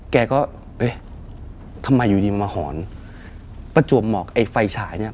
แกก็เอ๊ะทำไมอยู่ดีมันมาหอนประจวบหมอกไอ้ไฟฉายเนี้ย